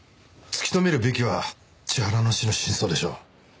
突き止めるべきは千原の死の真相でしょう。